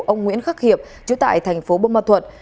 ông nguyễn khắc hiệp chú tại thành phố bô ma thuật